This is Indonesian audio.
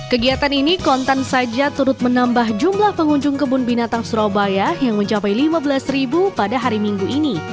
kegiatan ini kontan saja turut menambah jumlah pengunjung kebun binatang surabaya yang mencapai lima belas ribu pada hari minggu ini